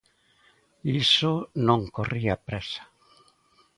Iso non corría présa.